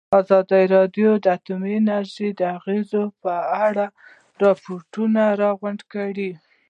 ازادي راډیو د اټومي انرژي د اغېزو په اړه ریپوټونه راغونډ کړي.